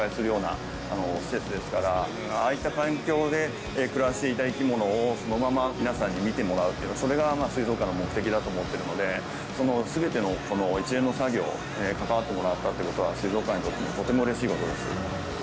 ああいった環境で暮らしていた生き物をそのまま皆さんに見てもらうそれが水族館の目的だと思ってるので全ての一連の作業関わってもらったってことは水族館にとってもとてもうれしいことです。